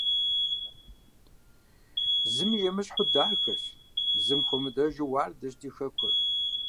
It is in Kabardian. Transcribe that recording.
Зыми емыщхьу дахэщ, зым хуэмыдэжу уардэщ ди хэкур.